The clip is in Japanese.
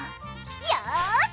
よし！